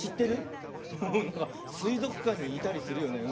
すいぞくかんにいたりするよね。